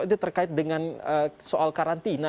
itu terkait dengan soal karantina